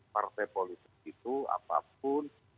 partai politik itu apapun